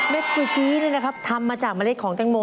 กุยจี้นี่นะครับทำมาจากเมล็ดของแตงโม